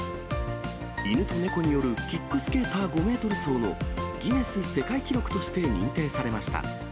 犬と猫によるキックスケーター５メートル走のギネス世界記録として認定されました。